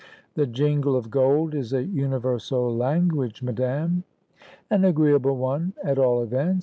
"The jingle of gold is a universal language, madame." "An agreeable one, at all events.